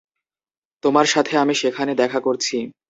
তোমার সাথে আমি সেখানে দেখা করছি।